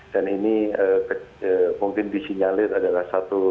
dan ini mungkin disinyalir adalah satu